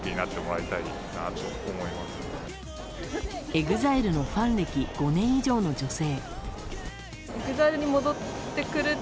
ＥＸＩＬＥのファン歴５年以上の女性。